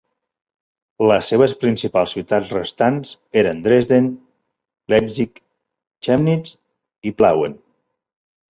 Les seves principals ciutats restants eren Dresden, Leipzig, Chemnitz i Plauen.